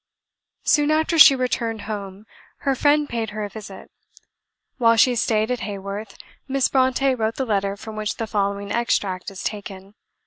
Soon after she returned home, her friend paid her a visit. While she stayed at Haworth, Miss Brontë wrote the letter from which the following extract is taken.